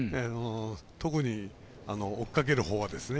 特に追っかけるほうはですね。